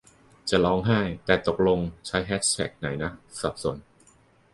จะร้องไห้ แต่ตกลงใช้แฮชแท็กไหนนะ สับสน